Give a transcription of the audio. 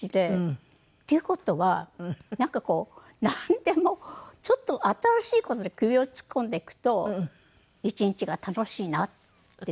っていう事はなんかこうなんでもちょっと新しい事に首を突っ込んでいくと１日が楽しいなってなりますよね。